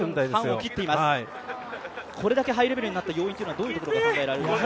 これだけハイレベルになった要因、どういったところが考えられますか？